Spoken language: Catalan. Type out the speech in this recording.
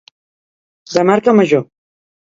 De marca major.